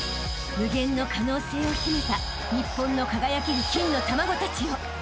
［無限の可能性を秘めた日本の輝ける金の卵たちよ］